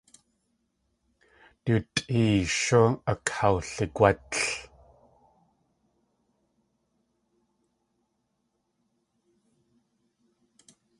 Du tʼeeyshú akawligwátl.